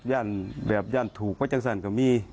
ย่านแบบย่านถูกไว้จังสรรคมี